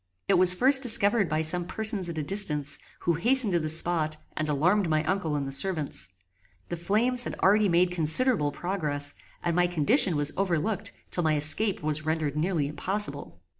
It was first discovered by some persons at a distance, who hastened to the spot and alarmed my uncle and the servants. The flames had already made considerable progress, and my condition was overlooked till my escape was rendered nearly impossible.